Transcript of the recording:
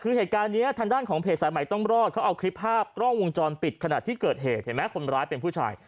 คือเหตุการณ์นี้ทางด้านของเพจสายใหม่ต้องรอดเขาเอาคลิปภาพกล้องวงจรปิดขณะที่เกิดเหตุเห็นไหมคนร้ายเป็นผู้ชาย